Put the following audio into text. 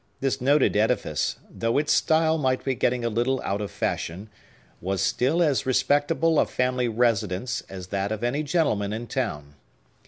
This noted edifice, though its style might be getting a little out of fashion, was still as respectable a family residence as that of any gentleman in town.